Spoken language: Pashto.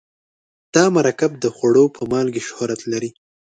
دا مرکب د خوړو په مالګې شهرت لري.